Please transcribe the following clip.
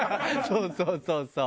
そうそうそうそう。